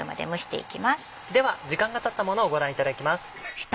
では時間がたったものをご覧いただきます。